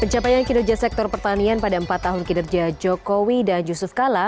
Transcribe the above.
pencapaian kinerja sektor pertanian pada empat tahun kinerja jokowi dan yusuf kala